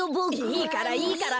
いいからいいから。